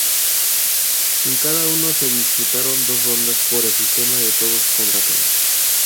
En cada uno se disputaron dos rondas por el sistema de todos contra todos.